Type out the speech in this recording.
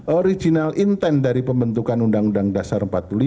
original intent dari pembentukan undang undang dasar empat puluh lima